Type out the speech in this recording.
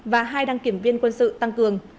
và hai đăng kiểm viên quân sự tăng cường